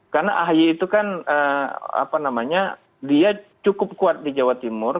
karena ahaye itu kan dia cukup kuat di jawa timur